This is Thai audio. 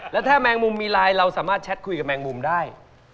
แล้วถ้าแมงมุมมีไลน์เราสามารถแชทคุยกับแมงมุมได้